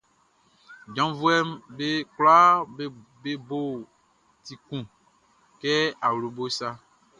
Janvuɛʼm be kwlaa be bo ti kun kɛ awlobo sa.